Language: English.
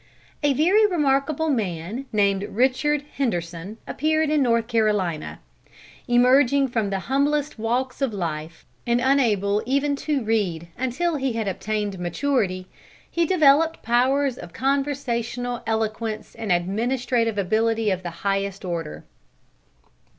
A very remarkable man, named Richard Henderson, appeared in North Carolina. Emerging from the humblest walks of life, and unable even to read until he had obtained maturity, he developed powers of conversational eloquence and administrative ability of the highest order.